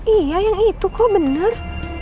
iya yang itu kok benar